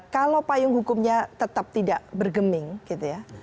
kalau payung hukumnya tetap tidak bergeming gitu ya